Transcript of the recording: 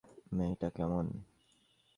মেয়েটা কেমন?